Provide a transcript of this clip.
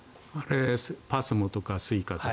ＰＡＳＭＯとかＳｕｉｃａとか。